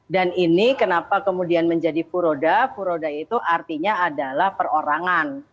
dan ini kenapa kemudian menjadi furodai furodai itu artinya adalah perorangan